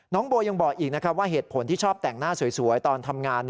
โบยังบอกอีกนะครับว่าเหตุผลที่ชอบแต่งหน้าสวยตอนทำงาน